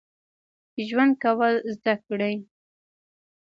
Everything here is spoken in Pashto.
ژوند کول زده کړئ